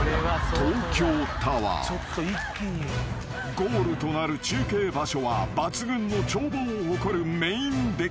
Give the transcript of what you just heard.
［ゴールとなる中継場所は抜群の眺望を誇る］